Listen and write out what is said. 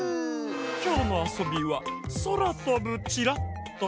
きょうのあそびは「そらとぶチラッと」。